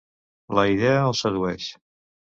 La idea el sedueix.